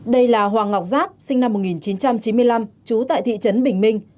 đây là hoàng ngọc giáp sinh năm một nghìn chín trăm chín mươi năm trú tại thị trấn bình minh